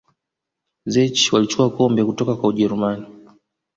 czech walichukua kombe kutoka kwa ujerumani